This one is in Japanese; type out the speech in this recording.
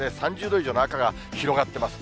３０度以上の赤が広がってます。